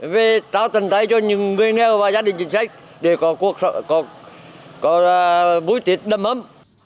và trao tần tài cho những người nghèo và gia đình chính sách để có buổi tết đầm ấm